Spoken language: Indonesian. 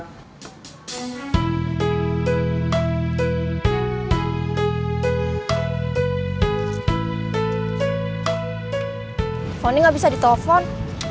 teleponnya tidak bisa di telepon